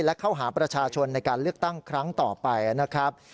และเข้าหาประชาชนในการเลือกตั้งครั้งต่อไปนะครับ